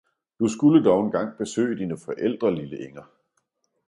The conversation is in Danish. »Du skulde dog engang besøge dine Forældre, lille Inger!